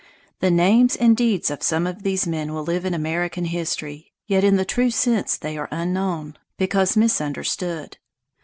The names and deeds of some of these men will live in American history, yet in the true sense they are unknown, because misunderstood.